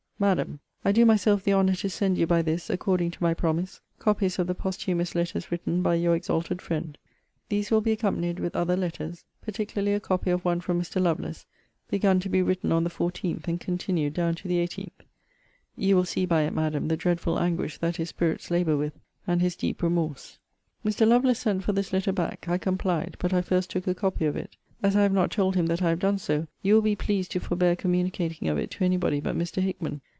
MADAM, I do myself the honour to send you by this, according to my promise,* copies of the posthumous letters written by your exalted friend. * See Letter XXXVI. of this volume. These will be accompanied with other letters, particularly a copy of one from Mr. Lovelace, begun to be written on the 14th, and continued down to the 18th.* You will see by it, Madam, the dreadful anguish that his spirits labour with, and his deep remorse. * See Letter XXXVII. ibid. Mr. Lovelace sent for this letter back. I complied; but I first took a copy of it. As I have not told him that I have done so, you will be pleased to forbear communicating of it to any body but Mr. Hickman.